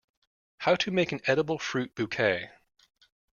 How to make an edible fruit bouquet.